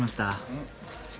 うん。